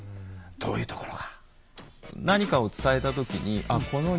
どういうところが？